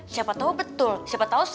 siapa tahu betul siapa tahu